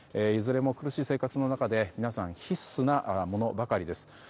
いずれも苦しい生活の中で皆さん必須なものばかりです。